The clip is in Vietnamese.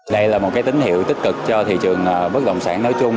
đây là một tín hiệu tích cực cho thị trường bất động sản nói chung